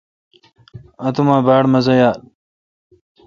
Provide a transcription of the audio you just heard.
اتوما باڑ مزہ یال۔